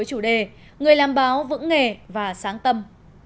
với chủ đề người làm báo vững nghề và sáng tâm